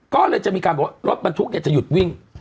ก็เลยจะมีการบอกรถบันทุกเนี้ยจะหยุดวิ่ง